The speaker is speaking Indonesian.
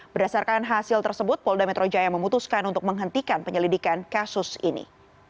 berdasarkan hasil tersebut polda metro jaya memutuskan untuk menghentikan penyelidikan kasus ini